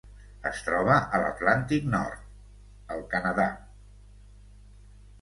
Es troba a l'Atlàntic nord: el Canadà.